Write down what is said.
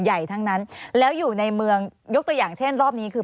ใหญ่ทั้งนั้นแล้วอยู่ในเมืองยกตัวอย่างเช่นรอบนี้คือ